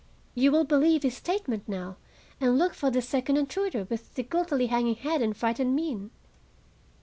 "You will believe his statement now and look for this second intruder with the guiltily hanging head and frightened mien?"